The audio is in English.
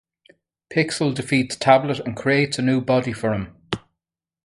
Pixel defeats Tablet and creates a new body for him.